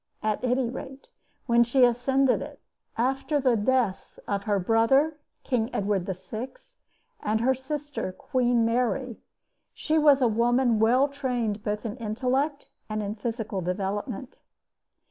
At any rate, when she ascended it, after the deaths of her brother, King Edward VI., and her sister, Queen Mary, she was a woman well trained both in intellect and in physical development.